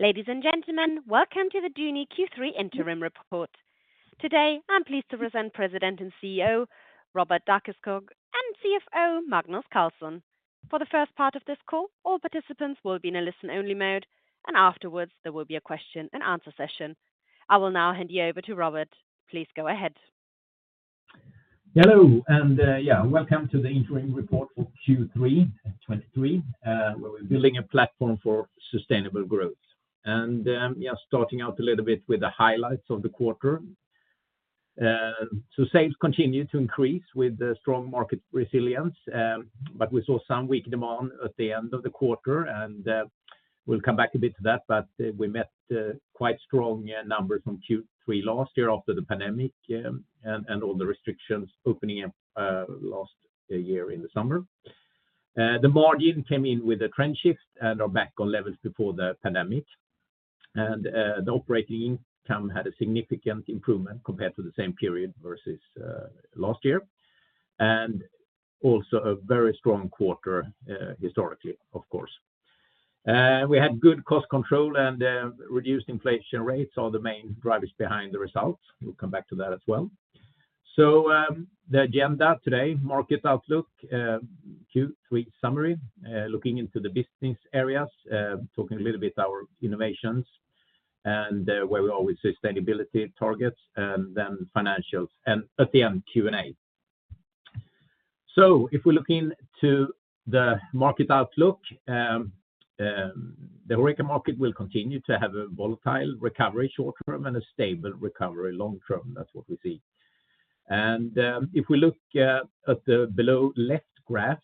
Ladies and gentlemen, welcome to the Duni Q3 Interim Report. Today, I'm pleased to present President and CEO, Robert Dackeskog, and CFO, Magnus Carlsson. For the first part of this call, all participants will be in a listen-only mode, and afterwards, there will be a question-and-answer session. I will now hand you over to Robert. Please go ahead. Hello, yeah, welcome to the interim report for Q3 2023, where we're building a platform for sustainable growth. Yeah, starting out a little bit with the highlights of the quarter. Sales continue to increase with the strong market resilience, but we saw some weak demand at the end of the quarter, and we'll come back a bit to that, but we met quite strong numbers from Q3 last year after the pandemic, and all the restrictions opening up last year in the summer. The margin came in with a trend shift and are back on levels before the pandemic. The operating income had a significant improvement compared to the same period versus last year, and also a very strong quarter, historically, of course. We had good cost control and reduced inflation rates are the main drivers behind the results. We'll come back to that as well. So, the agenda today, market outlook, Q3 summary, looking into the business areas, talking a little bit our innovations, and where we are with sustainability targets and then financials, and at the end, Q&A. So if we look into the market outlook, the HoReCa market will continue to have a volatile recovery, short term, and a stable recovery, long term. That's what we see. And if we look at the below left graph,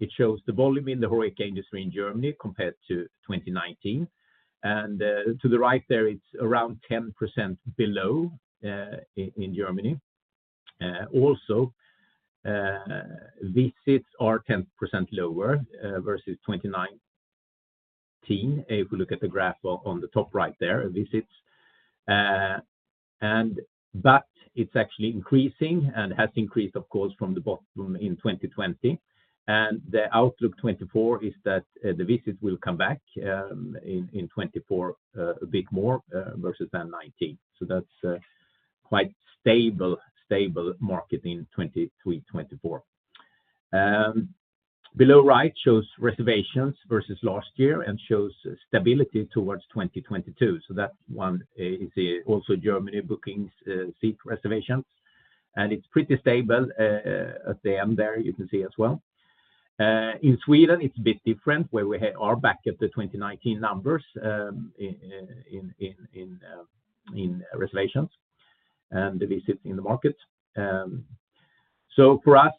it shows the volume in the HoReCa industry in Germany compared to 2019. And to the right there, it's around 10% below in Germany. Also, visits are 10% lower versus 2019. If you look at the graph on the top right there, visits, but it's actually increasing and has increased, of course, from the bottom in 2020. And the outlook 2024 is that, the visits will come back, in 2024, a bit more, versus than 2019. So that's quite stable, stable market in 2023, 2024. Below right shows reservations versus last year and shows stability towards 2022. So that one is also Germany bookings, seat reservations, and it's pretty stable, at the end there, you can see as well. In Sweden, it's a bit different, where we are back at the 2019 numbers, in reservations and the visits in the market. So for us,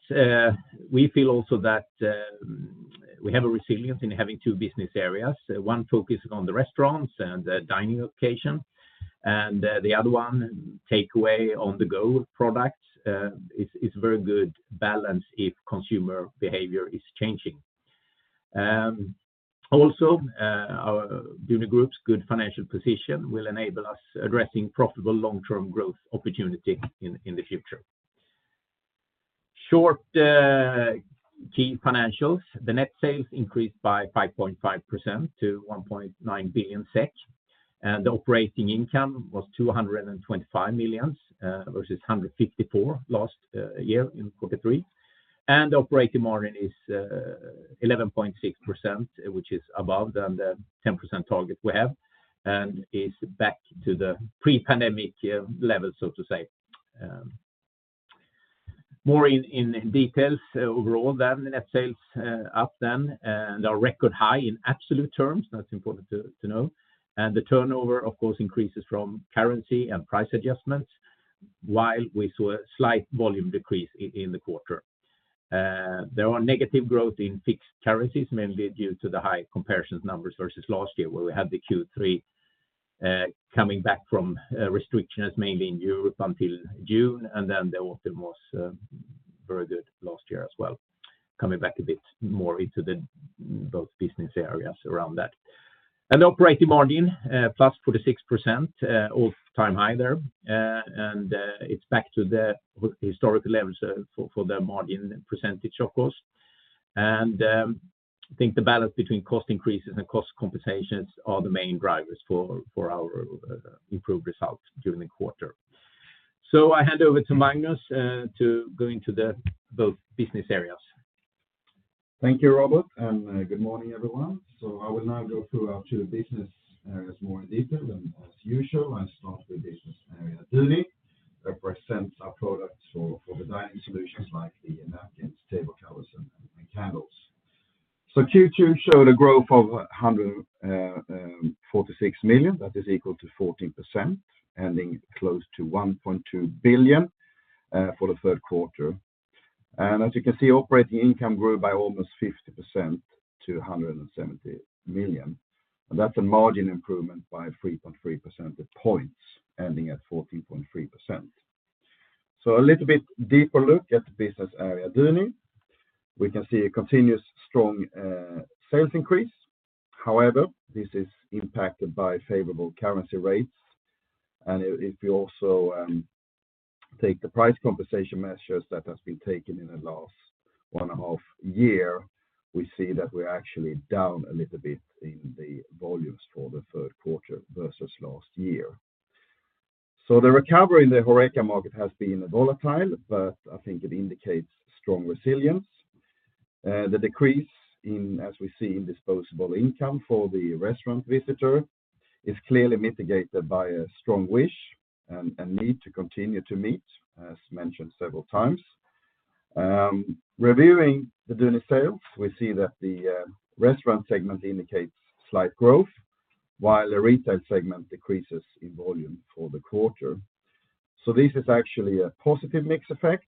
we feel also that we have a resilience in having two business areas, one focused on the restaurants and the dining location, and the other one, takeaway on-the-go products. It's very good balance if consumer behavior is changing. Also, our Duni Group's good financial position will enable us addressing profitable long-term growth opportunity in the future. Short key financials, the net sales increased by 5.5% to 1.9 billion SEK, and the operating income was 225 million versus 154 million last year in Q3. And operating margin is 11.6%, which is above than the 10% target we have, and is back to the pre-pandemic level, so to say. More in details overall, then the net sales up then, and are record high in absolute terms. That's important to know. And the turnover, of course, increases from currency and price adjustments, while we saw a slight volume decrease in the quarter. There are negative growth in fixed currencies, mainly due to the high comparison numbers versus last year, where we had the Q3 coming back from restrictions, mainly in Europe, until June, and then the autumn was very good last year as well, coming back a bit more into the those business areas around that. And operating margin plus 46%, all-time high there. And it's back to the historical levels for the margin percentage, of course. And, I think the balance between cost increases and cost compensations are the main drivers for our improved results during the quarter. So I hand over to Magnus to go into those business areas. Thank you, Robert, and good morning, everyone. I will now go through our two business areas more in detail than as usual, and start with business area Duni, represents our products for the dining solutions like the napkins, table covers, and candles. Q2 showed a growth of 146 million, that is equal to 14%, ending close to 1.2 billion for the third quarter. And as you can see, operating income grew by almost 50% to 170 million. That's a margin improvement by 3.3 percentage points, ending at 14.3%. So a little bit deeper look at the business area, Duni. We can see a continuous strong sales increase. However, this is impacted by favorable currency rates. And if you also... Take the price compensation measures that has been taken in the last 1.5 year, we see that we're actually down a little bit in the volumes for the third quarter versus last year. So the recovery in the HoReCa market has been volatile, but I think it indicates strong resilience. The decrease in, as we see, disposable income for the restaurant visitor, is clearly mitigated by a strong wish and, and need to continue to meet, as mentioned several times. Reviewing the Duni sales, we see that the restaurant segment indicates slight growth, while the retail segment decreases in volume for the quarter. So this is actually a positive mix effect,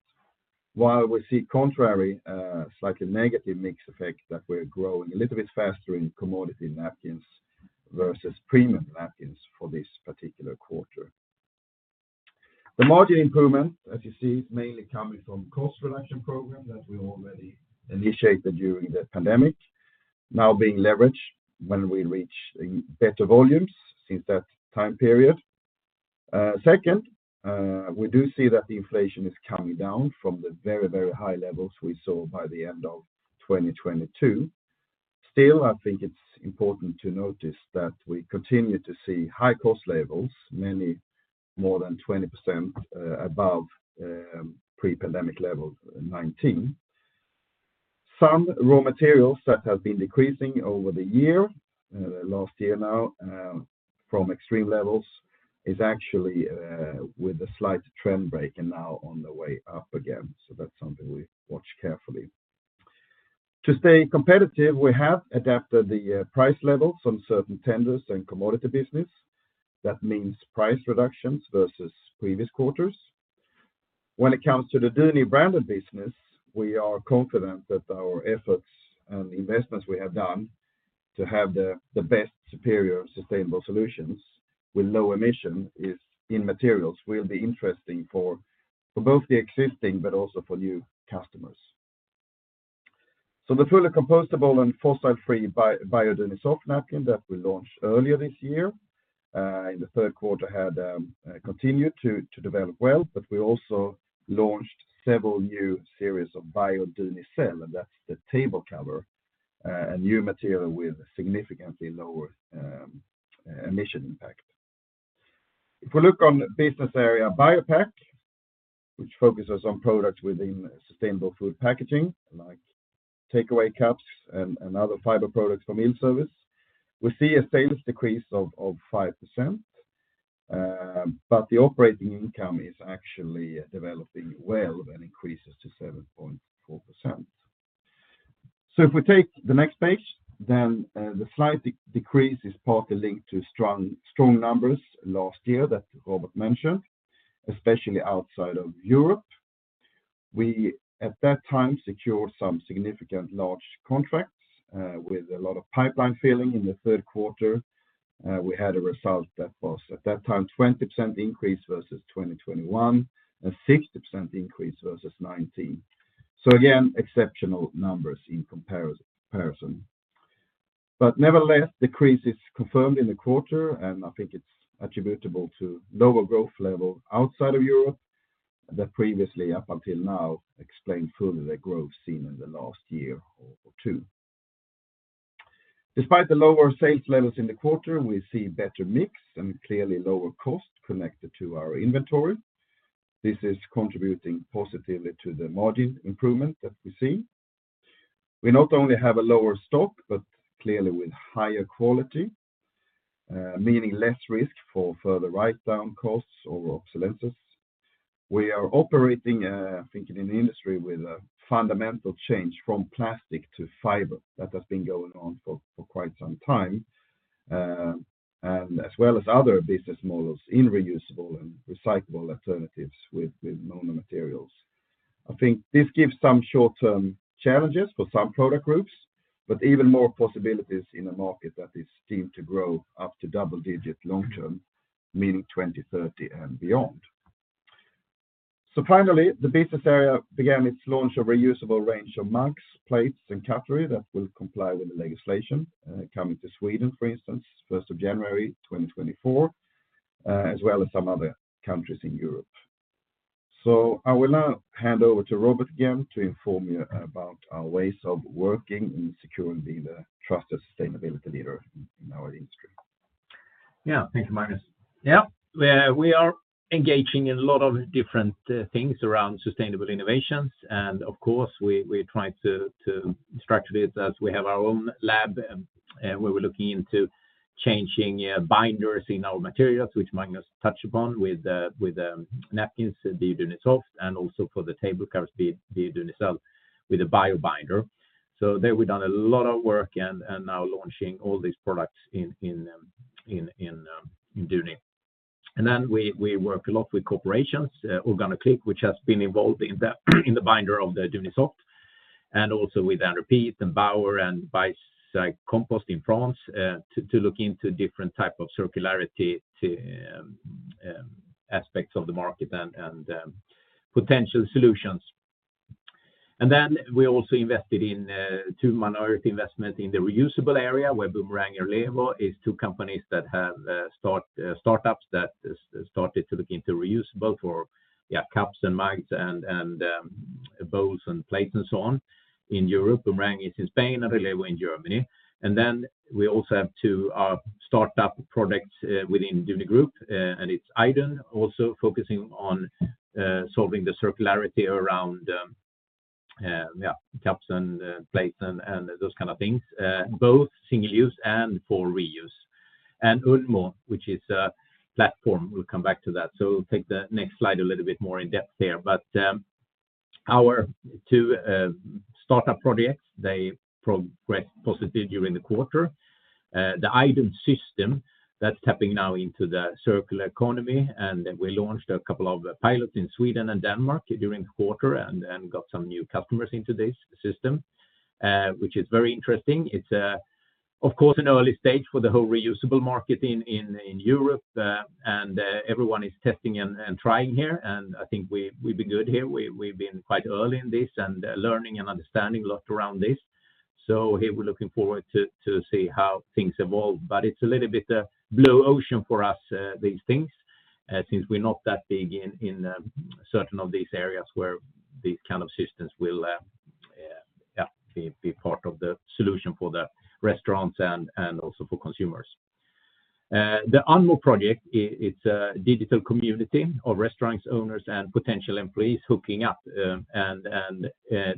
while we see contrary, slightly negative mix effect, that we're growing a little bit faster in commodity napkins versus premium napkins for this particular quarter. The margin improvement, as you see, is mainly coming from cost reduction program that we already initiated during the pandemic, now being leveraged when we reach better volumes since that time period. Second, we do see that the inflation is coming down from the very, very high levels we saw by the end of 2022. Still, I think it's important to notice that we continue to see high cost levels, many more than 20% above pre-pandemic level in 2019. Some raw materials that have been decreasing over the year, the last year now, from extreme levels, is actually, with a slight trend break and now on the way up again. So that's something we watch carefully. To stay competitive, we have adapted the price level from certain tenders and commodity business. That means price reductions versus previous quarters. When it comes to the Duni branded business, we are confident that our efforts and investments we have done to have the best, superior, sustainable solutions with low emission is in materials, will be interesting for both the existing but also for new customers. So the fully compostable and fossil-free Bio Dunisoft napkin that we launched earlier this year in the third quarter had continued to develop well, but we also launched several new series of Bio Dunicel, and that's the table cover, a new material with significantly lower emission impact. If we look on the business area, BioPak, which focuses on products within sustainable food packaging, like takeaway cups and other fiber products for meal service, we see a sales decrease of 5%, but the operating income is actually developing well and increases to 7.4%. So if we take the next page, then, the slight decrease is partly linked to strong, strong numbers last year that Robert mentioned, especially outside of Europe. We, at that time, secured some significant large contracts, with a lot of pipeline filling in the third quarter. We had a result that was, at that time, 20% increase versus 2021, a 60% increase versus 2019. So again, exceptional numbers in comparison. But nevertheless, decrease is confirmed in the quarter, and I think it's attributable to lower growth level outside of Europe, that previously, up until now, explained fully the growth seen in the last year or two. Despite the lower sales levels in the quarter, we see better mix and clearly lower cost connected to our inventory. This is contributing positively to the margin improvement that we see. We not only have a lower stock, but clearly with higher quality, meaning less risk for further write-down costs or obsolescence. We are operating, thinking in the industry with a fundamental change from plastic to fiber that has been going on for quite some time, and as well as other business models in reusable and recyclable alternatives with mono materials. I think this gives some short-term challenges for some product groups, but even more possibilities in a market that is esteemed to grow up to double-digit long term, meaning 2030 and beyond. So finally, the business area began its launch of reusable range of mugs, plates, and cutlery that will comply with the legislation, coming to Sweden, for instance, January 1, 2024, as well as some other countries in Europe. I will now hand over to Robert again to inform you about our ways of working and securing the trusted sustainability leader in our industry. Yeah, thank you, Magnus. Yeah, we are engaging in a lot of different things around sustainable innovations, and of course, we try to structure it as we have our own lab, where we're looking into changing binders in our materials, which Magnus touched upon with the napkins, the Dunisoft, and also for the table covers, the Dunicel, with a bio binder. So there, we've done a lot of work and now launching all these products in Duni. And then we work a lot with corporations, OrganoClick, which has been involved in the binder of the Dunisoft, and also with &Repeat and Bower and BicyCompost in France, to look into different type of circularity to aspects of the market and potential solutions. And then we also invested in two minority investment in the reusable area, where Bûmerang and Relevo is two companies that have startups that is started to look into reusable for cups and mugs and bowls and plates and so on in Europe. Bûmerang is in Spain, and Relevo in Germany. And then we also have two startup products within Duni Group, and it's Idun, also focusing on solving the circularity around cups and plates and those kind of things both single use and for reuse. And Unmo, which is a platform, we'll come back to that. So we'll take the next slide a little bit more in-depth there. But our two startup projects, they progressed positively during the quarter. The Unmo system, that's tapping now into the circular economy, and we launched a couple of pilots in Sweden and Denmark during the quarter and got some new customers into this system, which is very interesting. It's, of course, an early stage for the whole reusable market in Europe, and everyone is testing and trying here, and I think we've been good here. We've been quite early in this and learning and understanding a lot around this. So here, we're looking forward to see how things evolve, but it's a little bit blue ocean for us, these things, since we're not that big in certain of these areas where these kind of systems will be part of the solution for the restaurants and also for consumers. The Unmo project, it's a digital community of restaurants, owners, and potential employees hooking up, and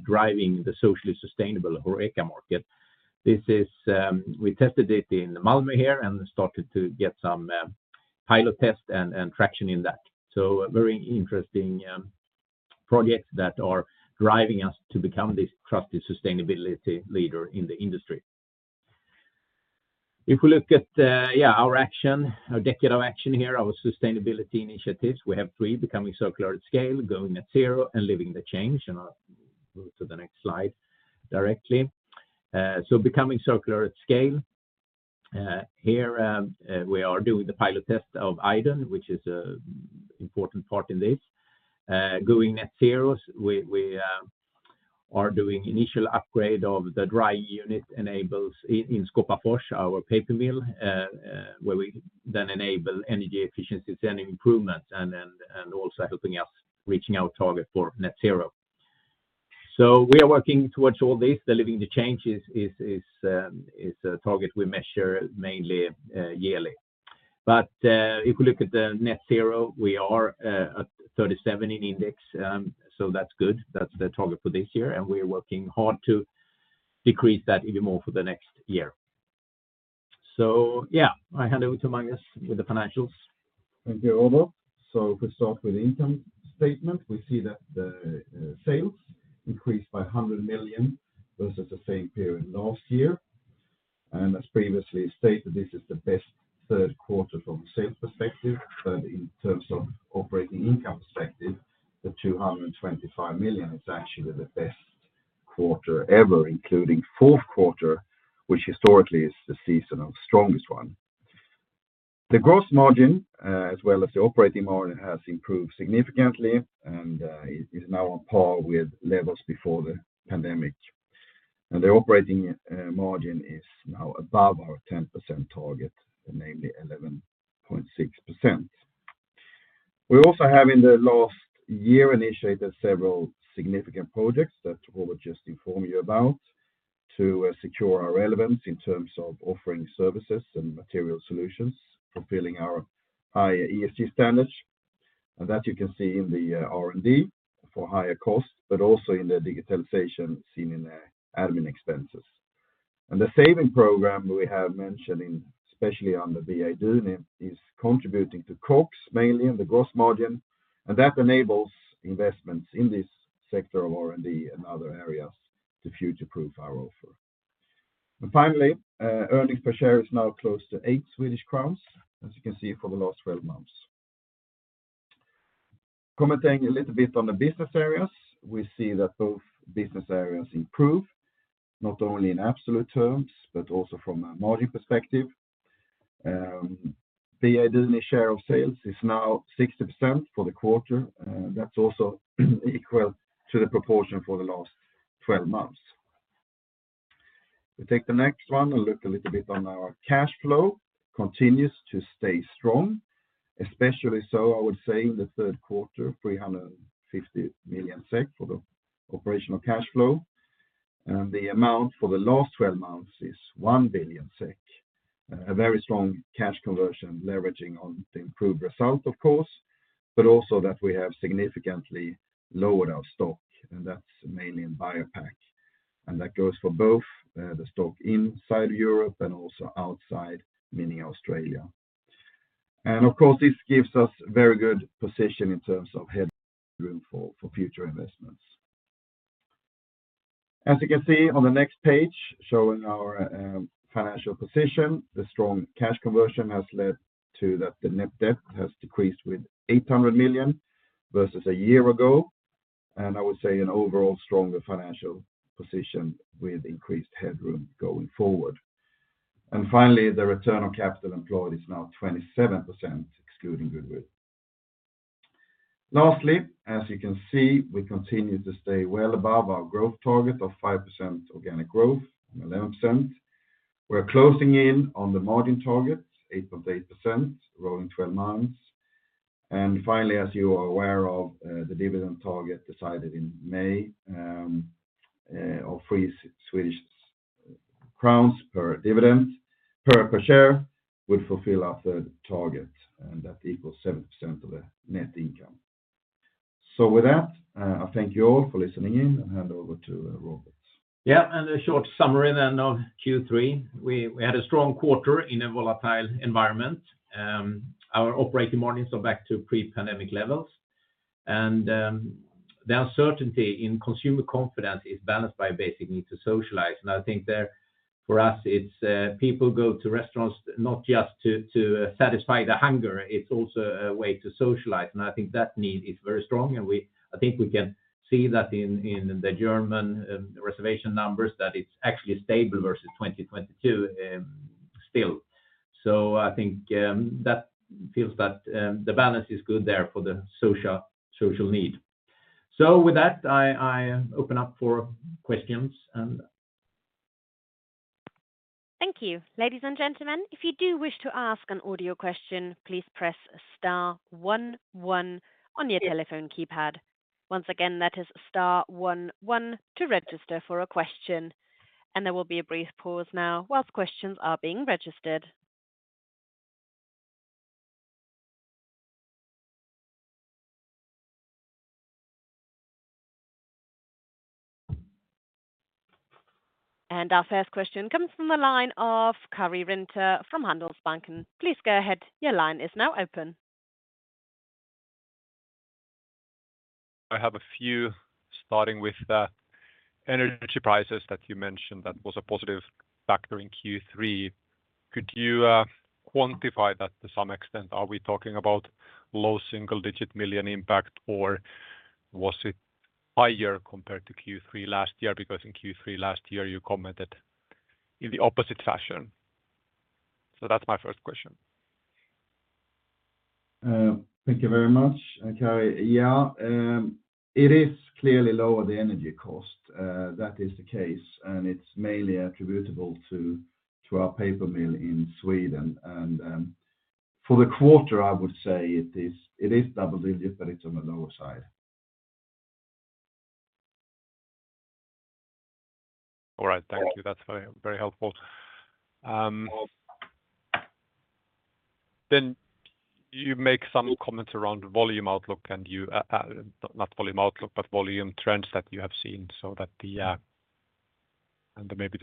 driving the socially sustainable HoReCa market. This is, we tested it in Malmö here and started to get some pilot test and traction in that. Very interesting projects that are driving us to become this trusted sustainability leader in the industry. If we look at, yeah, our action, our decade of action here, our sustainability initiatives, we have three: Becoming Circular at Scale, Going Net Zero, and Living the Change. I'll move to the next slide directly. Becoming Circular at Scale, here, we are doing the pilot test of Iden, which is an important part in this. Going Net Zero, we are doing initial upgrade of the dry unit enables in Skåpafors, our paper mill, where we then enable energy efficiency and improvement and also helping us reaching our target for net zero. So we are working towards all this. The Living the Change is a target we measure mainly yearly. But if you look at the net zero, we are at 37 in index, so that's good. That's the target for this year, and we're working hard to decrease that even more for the next year. So yeah, I hand over to Magnus with the financials. Thank you, Robert. So to start with the income statement, we see that the sales increased by 100 million versus the same period last year. And as previously stated, this is the best third quarter from a sales perspective, but in terms of operating income perspective, the 225 million is actually the best quarter ever, including fourth quarter, which historically is the season of strongest one. The gross margin, as well as the operating margin, has improved significantly and is now on par with levels before the pandemic. And the operating margin is now above our 10% target, namely 11.6%. We also have, in the last year, initiated several significant projects that Robert just informed you about, to secure our relevance in terms of offering services and material solutions, fulfilling our high ESG standards. You can see this in the R&D for higher cost, but also in the digitalization seen in the admin expenses. The saving program we have mentioned, especially on the Bio Duni, is contributing to COGS, mainly in the gross margin, and that enables investments in this sector of R&D and other areas to future-proof our offer. Finally, earnings per share is now close to 8 Swedish crowns, as you can see for the last 12 months. Commenting a little bit on the business areas, we see that both business areas improve, not only in absolute terms, but also from a margin perspective. Bio Duni share of sales is now 60% for the quarter, that's also equal to the proportion for the last 12 months. We take the next one and look a little bit on our cash flow, continues to stay strong, especially so, I would say, in the third quarter, 350 million SEK for the operational cash flow. The amount for the last 12 months is 1 billion SEK. A very strong cash conversion, leveraging on the improved result, of course, but also that we have significantly lowered our stock, and that's mainly in BioPak. And that goes for both the stock inside Europe and also outside, meaning Australia. And of course, this gives us very good position in terms of headroom for future investments. As you can see on the next page, showing our financial position, the strong cash conversion has led to that the net debt has decreased with 800 million versus a year ago, and I would say an overall stronger financial position with increased headroom going forward. And finally, the return on capital employed is now 27%, excluding goodwill. Lastly, as you can see, we continue to stay well above our growth target of 5% organic growth and 11%. We're closing in on the margin target, 8.8%, rolling twelve months. And finally, as you are aware of, the dividend target decided in May of 3 Swedish crowns per share would fulfill our third target, and that equals 7% of the net income. With that, I thank you all for listening in and hand over to Robert. Yeah, and a short summary then of Q3. We had a strong quarter in a volatile environment. Our operating margins are back to pre-pandemic levels, and the uncertainty in consumer confidence is balanced by a basic need to socialize. And I think there, for us, it's people go to restaurants not just to satisfy the hunger, it's also a way to socialize. And I think that need is very strong, and we—I think we can see that in the German reservation numbers, that it's actually stable versus 2022 still. So I think that feels that the balance is good there for the social need. So with that, I open up for questions and- Thank you. Ladies and gentlemen, if you do wish to ask an audio question, please press star one one on your telephone keypad. Once again, that is star one one to register for a question. And there will be a brief pause now while questions are being registered. And our first question comes from the line of Karri Rinta from Handelsbanken. Please go ahead. Your line is now open. I have a few, starting with the energy prices that you mentioned, that was a positive factor in Q3. Could you quantify that to some extent? Are we talking about low single-digit million SEK impact, or was it higher compared to Q3 last year? Because in Q3 last year, you commented in the opposite fashion. So that's my first question. Thank you very much, Karri. Yeah, it is clearly lower, the energy cost. That is the case, and it's mainly attributable to our paper mill in Sweden. For the quarter, I would say it is double digit, but it's on the lower side. All right. Thank you. That's very, very helpful. Then you make some comments around volume outlook, not volume outlook, but volume trends that you have seen, so that the, and maybe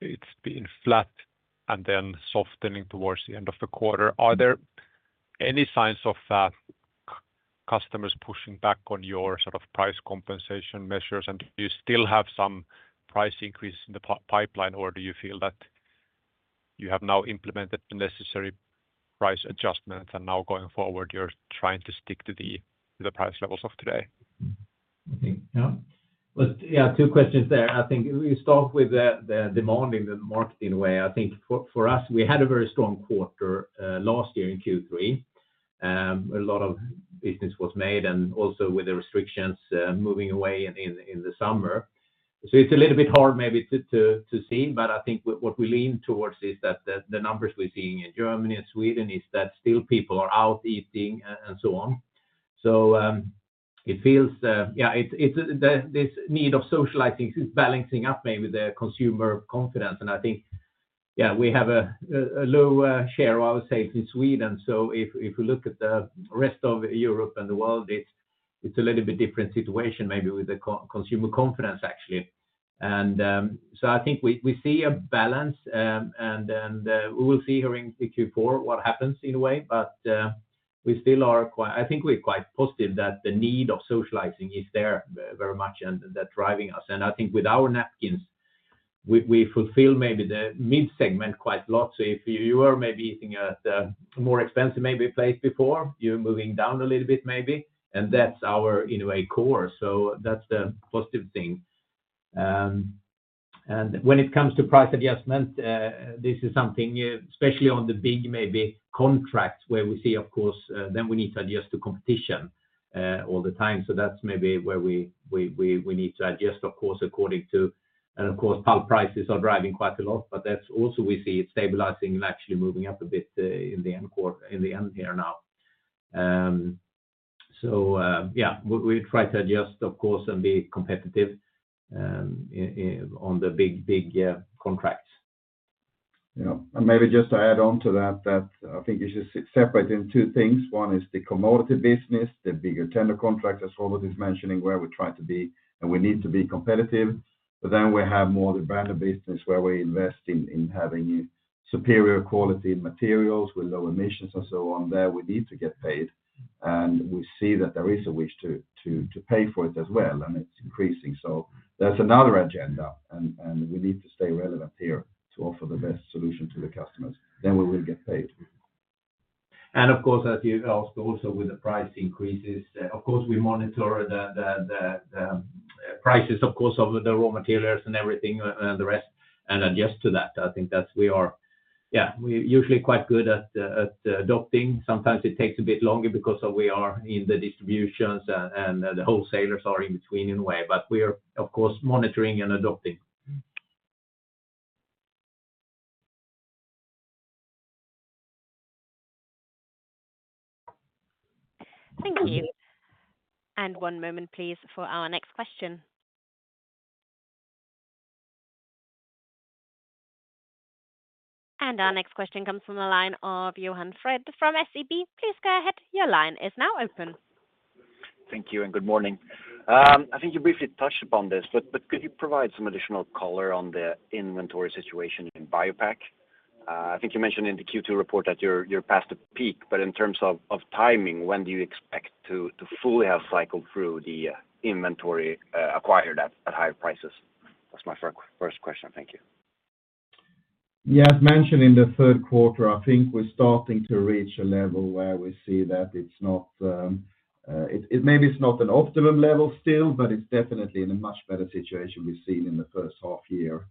it's been flat and then softening towards the end of the quarter. Are there any signs of, customers pushing back on your sort of price compensation measures? And do you still have some price increase in the pipeline, or do you feel that you have now implemented the necessary price adjustments, and now going forward, you're trying to stick to the, the price levels of today? Okay. Yeah. Well, yeah, two questions there. I think we start with the demand in the market, in a way. I think for us, we had a very strong quarter last year in Q3. A lot of business was made, and also with the restrictions moving away in the summer. So it's a little bit hard maybe to see, but I think what we lean towards is that the numbers we're seeing in Germany and Sweden is that still people are out eating and so on. So, it feels, yeah, this need of socializing is balancing up maybe the consumer confidence. And I think, yeah, we have a low share, I would say, in Sweden. So if you look at the rest of Europe and the world, it's a little bit different situation, maybe with the consumer confidence, actually. And so I think we see a balance, and then we will see during the Q4 what happens in a way, but we still are quite. I think we're quite positive that the need of socializing is there very much, and they're driving us. And I think with our napkins, we fulfill maybe the mid-segment quite a lot. So if you are maybe eating at a more expensive place before, you're moving down a little bit, maybe, and that's our, in a way, core. So that's a positive thing. And when it comes to price adjustment, this is something, especially on the big maybe contracts, where we see, of course, then we need to adjust to competition, all the time. So that's maybe where we need to adjust, of course, according to... And of course, pulp prices are driving quite a lot, but that's also we see it stabilizing and actually moving up a bit in the end quarter, in the end here now. So, yeah, we try to adjust, of course, and be competitive, in on the big contracts. Yeah. And maybe just to add on to that, that I think you should separate in two things. One is the commodity business, the bigger tender contract, as Robert is mentioning, where we try to be, and we need to be competitive. But then we have more the brand business, where we invest in having superior quality materials with low emissions and so on. There, we need to get paid, and we see that there is a wish to pay for it as well, and it's increasing. So that's another agenda, and we need to stay relevant here to offer the best solution to the customers. Then we will get paid. Of course, as you also, also with the price increases, of course, we monitor the prices, of course, of the raw materials and everything, and the rest, and adjust to that. I think that's we are- yeah, we're usually quite good at adopting. Sometimes it takes a bit longer because of we are in the distributions, and the wholesalers are in between, in a way, but we are, of course, monitoring and adopting. Thank you. And one moment, please, for our next question. And our next question comes from the line of Johan Fred from SEB. Please go ahead, your line is now open. Thank you and good morning. I think you briefly touched upon this, but could you provide some additional color on the inventory situation in BioPak? I think you mentioned in the Q2 report that you're past the peak, but in terms of timing, when do you expect to fully have cycled through the inventory acquired at higher prices? That's my first question. Thank you. Yeah, as mentioned in the third quarter, I think we're starting to reach a level where we see that it's not, maybe it's not an optimum level still, but it's definitely in a much better situation we've seen in the first half year.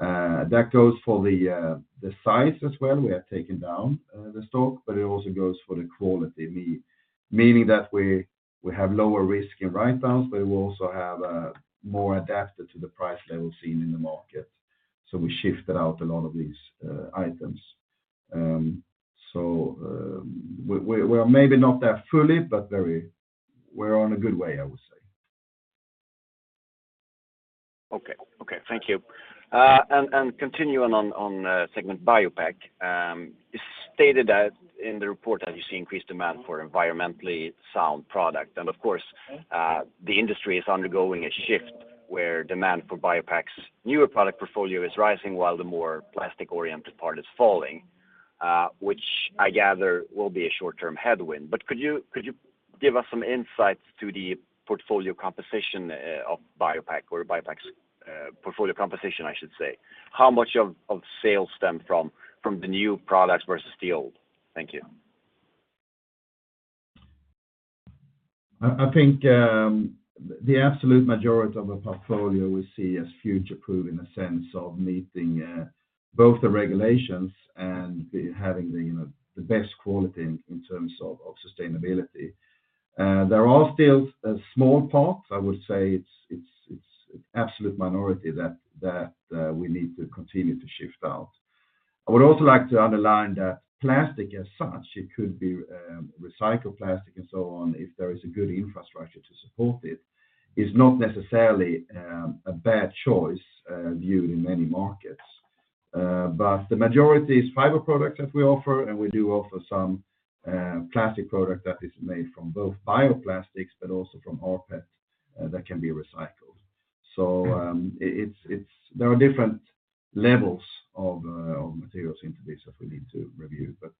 That goes for the size as well. We have taken down the stock, but it also goes for the quality, meaning that we have lower risk in write-downs, but we also have more adapted to the price level seen in the market. So we shifted out a lot of these items. We're maybe not there fully, but very, we're on a good way, I would say. Okay. Okay, thank you. And continuing on segment BioPak, you stated that in the report that you see increased demand for environmentally sound product. And of course, the industry is undergoing a shift where demand for BioPak's newer product portfolio is rising, while the more plastic-oriented part is falling, which I gather will be a short-term headwind. But could you give us some insights to the portfolio composition of BioPak or BioPak's portfolio composition, I should say? How much of sales stem from the new products versus the old? Thank you. I think the absolute majority of the portfolio we see as future-proof in the sense of meeting both the regulations and having the, you know, the best quality in terms of sustainability. There are still a small part, I would say it's an absolute minority that we need to continue to shift out. I would also like to underline that plastic as such, it could be recycled plastic and so on, if there is a good infrastructure to support it, is not necessarily a bad choice, viewed in many markets. But the majority is fiber products that we offer, and we do offer some plastic product that is made from both bioplastics, but also from rPET, that can be recycled. So, there are different levels of materials into this that we need to review, but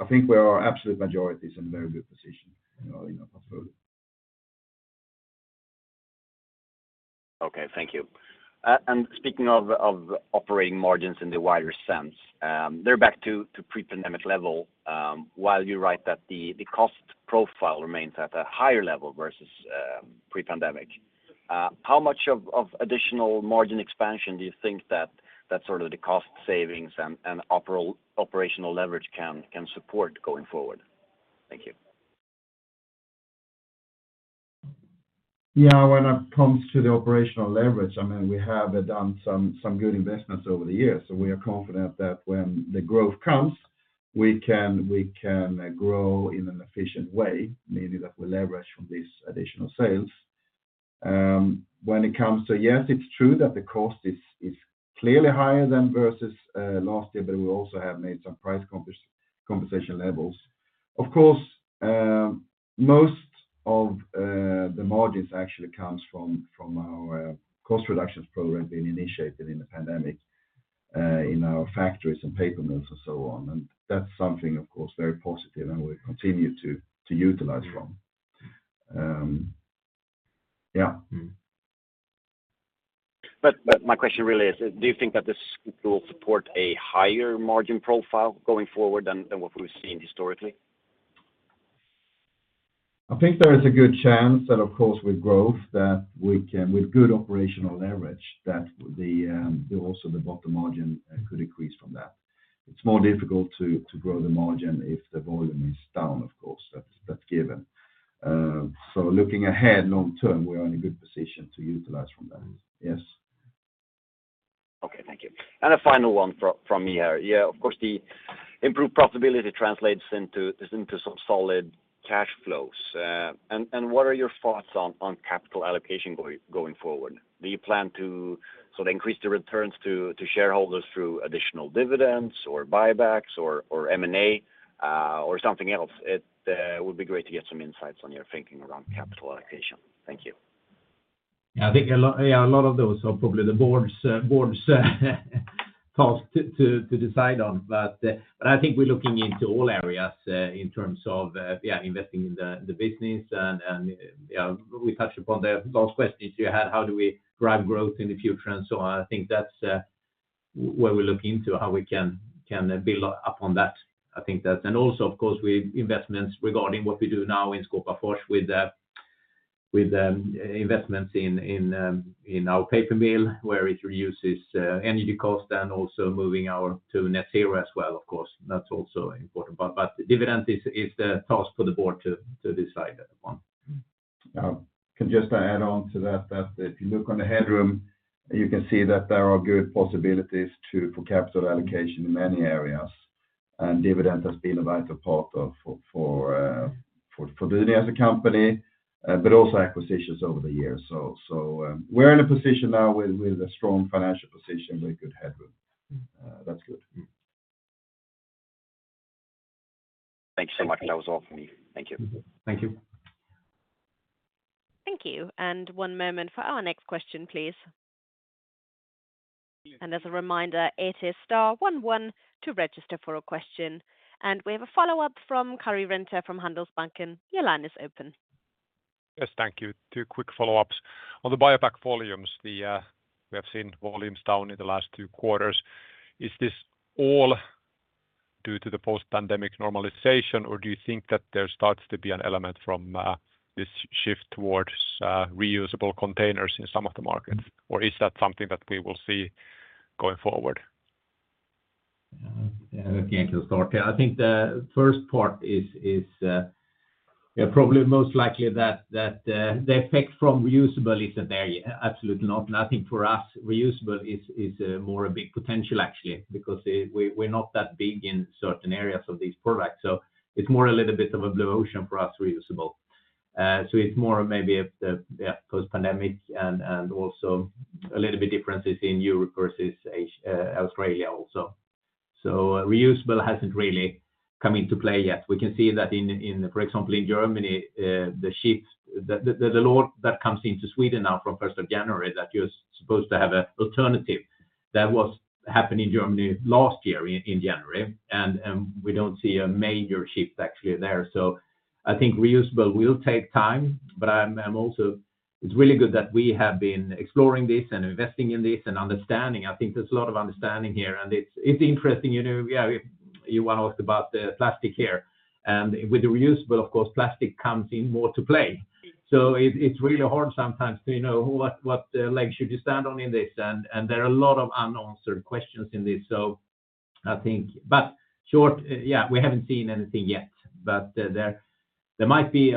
I think where our absolute majority is in very good position, you know, in our portfolio. Okay, thank you. And speaking of operating margins in the wider sense, they're back to pre-pandemic level, while you're right that the cost profile remains at a higher level versus pre-pandemic. How much of additional margin expansion do you think that sort of the cost savings and operational leverage can support going forward? Thank you. Yeah, when it comes to the operational leverage, I mean, we have done some good investments over the years, so we are confident that when the growth comes, we can grow in an efficient way, meaning that we leverage from these additional sales. When it comes to, yes, it's true that the cost is clearly higher than versus last year, but we also have made some price composition levels. Of course, most of the margins actually comes from our cost reductions program being initiated in the pandemic, in our factories and paper mills and so on. And that's something, of course, very positive, and we continue to utilize from. Yeah. But my question really is, do you think that this will support a higher margin profile going forward than what we've seen historically? I think there is a good chance that, of course, with growth, that we can, with good operational leverage, that the, also the bottom margin, could increase from that. It's more difficult to grow the margin if the volume is down, of course, that's given. So looking ahead long term, we are in a good position to utilize from that. Yes. Okay, thank you. A final one from me here. Yeah, of course, the improved profitability translates into some solid cash flows. And what are your thoughts on capital allocation going forward? Do you plan to sort of increase the returns to shareholders through additional dividends or buybacks or M&A, or something else? It would be great to get some insights on your thinking around capital allocation. Thank you. Yeah, I think yeah, a lot of those are probably the board's task to decide on. But I think we're looking into all areas in terms of yeah, investing in the business. And yeah, we touched upon the last question you had, how do we drive growth in the future and so on? I think that's- Where we look into how we can build up on that. I think that, and also, of course, with investments regarding what we do now in Skåpafors with the investments in our paper mill, where it reduces energy cost and also moving our to Net Zero as well, of course, that's also important. But dividend is the task for the board to decide that one. Now, can I just add on to that, that if you look on the headroom, you can see that there are good possibilities for capital allocation in many areas, and dividend has been a vital part of building as a company, but also acquisitions over the years. So, we're in a position now with a strong financial position, with good headroom. That's good. Thanks so much. That was all from me. Thank you. Thank you. Thank you, and one moment for our next question, please. As a reminder, it is star one one to register for a question. We have a follow-up from Karri Rinta from Handelsbanken. Your line is open. Yes, thank you. Two quick follow-ups. On the BioPak volumes, we have seen volumes down in the last two quarters. Is this all due to the post-pandemic normalization, or do you think that there starts to be an element from this shift towards reusable containers in some of the markets? Or is that something that we will see going forward? Yeah, I think you start. I think the first part is yeah, probably most likely that the effect from reusable is a very absolute not nothing for us. Reusable is more a big potential, actually, because we, we're not that big in certain areas of these products, so it's more a little bit of a blue ocean for us, reusable. So it's more maybe post-pandemic and also a little bit differences in Europe versus Australia also. So reusable hasn't really come into play yet. We can see that in, for example, in Germany, the shift, the load that comes into Sweden now from first of January, that you're supposed to have an alternative. That was happening in Germany last year in January, and we don't see a major shift actually there. So I think reusable will take time, but I'm also. It's really good that we have been exploring this and investing in this and understanding. I think there's a lot of understanding here, and it's interesting, you know, yeah, you want to ask about the plastic here, and with the reusable, of course, plastic comes into play. So it's really hard sometimes to know what leg should you stand on in this, and there are a lot of unanswered questions in this. So I think... But short, yeah, we haven't seen anything yet, but there might be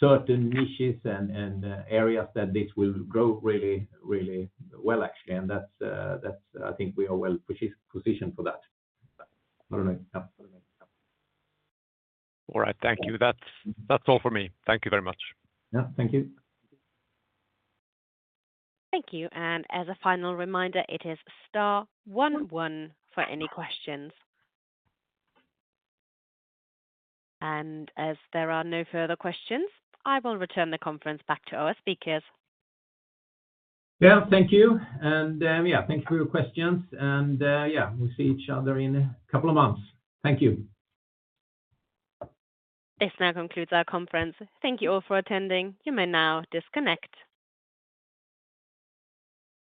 certain niches and areas that this will grow really, really well, actually, and that's, I think we are well positioned for that. All right. Yeah. All right, thank you. That's, that's all for me. Thank you very much. Yeah, thank you. Thank you. As a final reminder, it is star one one for any questions. As there are no further questions, I will return the conference back to our speakers. Yeah, thank you. Yeah, thank you for your questions, and, yeah, we'll see each other in a couple of months. Thank you. This now concludes our conference. Thank you all for attending. You may now disconnect.